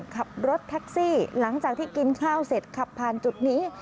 ขับรถแท็กซี่หลังจากที่กินข้าวเสร็จขับผ่านจุดนี้